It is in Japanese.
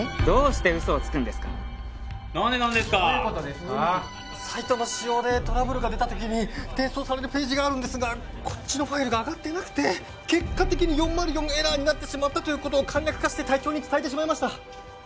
どうして嘘をつくんですか・何でなんですか・どういうことですかサイトの仕様でトラブルが出た時に転送されるページがあるんですがこっちのファイルがあがってなくて結果的に４０４エラーになってしまったということを簡略化して隊長に伝えてしまいました